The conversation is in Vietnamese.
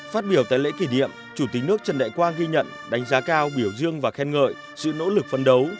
phát biểu tại lễ kỷ niệm chủ tịch nước trần đại quang ghi nhận đánh giá cao biểu dương và khen ngợi sự nỗ lực phấn đấu